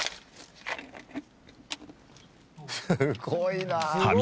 すごいなあ。